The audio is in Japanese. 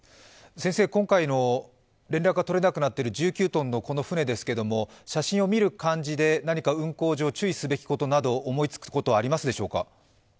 今回の連絡が取れなくなっている１９ｔのこの船ですけど写真を見る感じで、何か運航上注意すべきことなど思いつくことはありますでしょうか？